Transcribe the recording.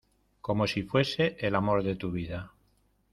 como si fuese el amor de tu vida.